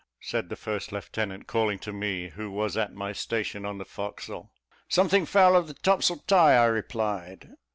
said the first lieutenant, calling to me, who was at my station on the forecastle. "Something foul of the topsail tie," I replied.